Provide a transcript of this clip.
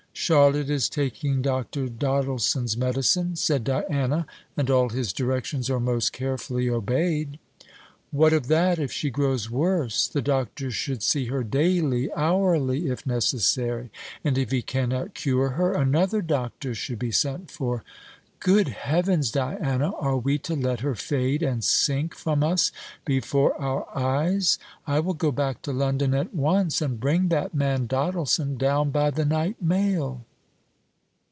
"Charlotte is taking Dr. Doddleson's medicine," said Diana, "and all his directions are most carefully obeyed." "What of that, if she grows worse? The doctor should see her daily, hourly, if necessary. And if he cannot cure her, another doctor should be sent for. Good heavens, Diana! are we to let her fade and sink from us before our eyes? I will go back to London at once, and bring that man Doddleson down by the night mail."